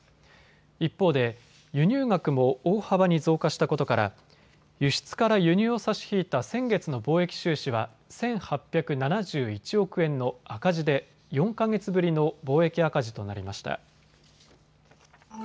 一方で輸入額も大幅に増加したことから輸出から輸入を差し引いた先月の貿易収支は１８７１億円の赤字で４か月ぶりの貿易赤字となりました。